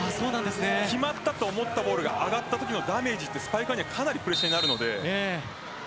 決まったと思ったボールが上がったときのダメージってスパイカーにとってはかなりダメージになるので。